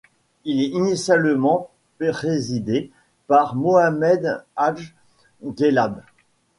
Il est initialement présidé par Mohamed Hadj Guelab.